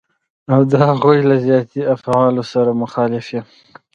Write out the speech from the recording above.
او د هغوی له ذاتي افعالو سره مخالف يم.